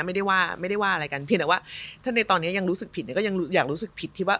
ไม่ได้ว่าไม่ได้ว่าอะไรกันเพียงแต่ว่าถ้าในตอนนี้ยังรู้สึกผิดเนี่ยก็ยังอยากรู้สึกผิดที่ว่า